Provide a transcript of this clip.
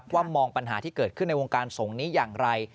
มองปัญหาที่เกิดขึ้นในวงการสงฆ์นี้อย่างไร